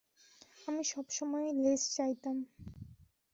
আমি সবসময়ই লেজ চাইতাম।